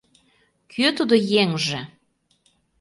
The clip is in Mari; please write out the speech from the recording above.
Кӧ тудо еҥже?